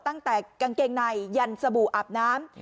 กางเกงในยันสบู่อาบน้ำ